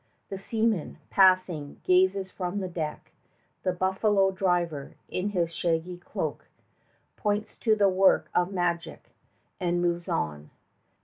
The seaman, passing, gazes from the deck; The buffalo driver, in his shaggy cloak, Points to the work of magic, and moves on.